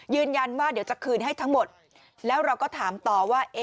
ยืนยันว่าเดี๋ยวจะคืนให้ทั้งหมดแล้วเราก็ถามต่อว่า